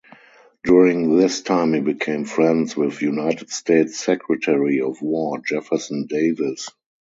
During this time he became friends with United States Secretary of War Jefferson Davis.